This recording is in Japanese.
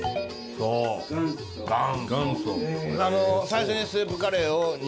最初にスープカレーを日本に。